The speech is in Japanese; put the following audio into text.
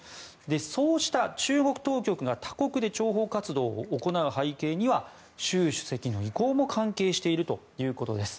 そうした中国当局が他国で諜報活動を行う背景には習主席の意向も関係しているということです。